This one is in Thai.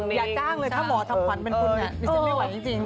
อย่าจ้างเลยถ้าหมอทำขวัญเป็นคุณดิฉันไม่ไหวจริง